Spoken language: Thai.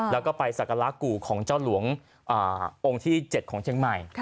แล้วก็ไปสักการะกู่ของเจ้าหลวงองค์ที่๗ของเชียงใหม่